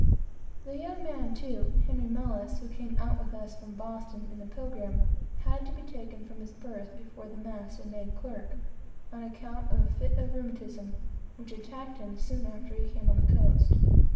The young man, too, who came out with us from Boston in the Pilgrim, had to be taken from his berth before the mast and made clerk, on account of a fit of rheumatism which attacked him soon after he came upon the coast.